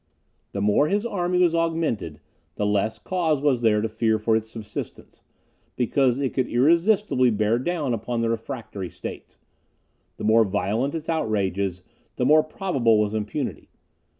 The more his army was augmented, the less cause was there to fear for its subsistence, because it could irresistibly bear down upon the refractory states; the more violent its outrages, the more probable was impunity.